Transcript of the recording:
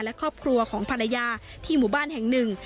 และครอบครัวของภรรยาที่หมู่บ้านแห่งหนึ่ง